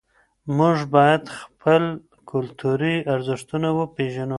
موږ باید خپل کلتوري ارزښتونه وپېژنو.